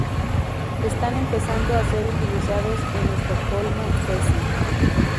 Están empezando a ser utilizados en Estocolmo, Suecia.